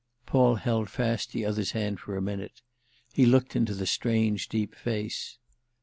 Paul held fast the other's hand a minute; he looked into the strange deep face.